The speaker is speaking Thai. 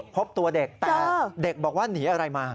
พบตัวเด็กแต่เด็กบอกว่าหนีอะไรมา